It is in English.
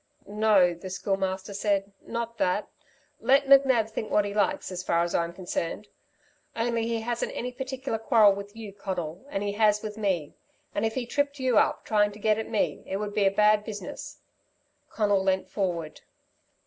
"No," the Schoolmaster said, "not that! Let McNab think what he likes as far as I'm concerned. Only he hasn't any particular quarrel with you, Conal, and he has with me and if he tripped you up trying to get at me it would be a bad business." Conal leant forward.